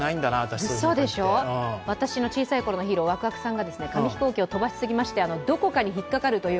うそでしょ、私の小さい頃のヒーロー、わくわくさんが紙飛行機を飛ばしすぎまして、どこかに引っかかるという。